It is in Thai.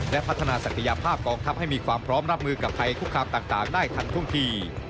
และพัฒนาศักยภาพกองทัพให้มีความพร้อมรับมือกับภัยคุกคามต่างได้ทันท่วงที